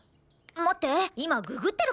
待って。